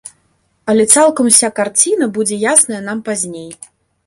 Але цалкам уся карціна будзе ясная нам пазней.